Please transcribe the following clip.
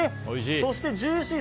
そして、ジューシー！